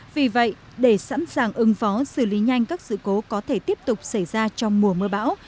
vì vậy để sẵn sàng ứng phó xử lý nhanh các sự cố có thể tiếp tục xảy ra trong mùa mưa bão